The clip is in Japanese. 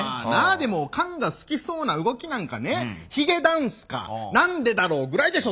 でもおかんが好きそうな動きなんかねヒゲダンスか「なんでだろう」ぐらいでしょ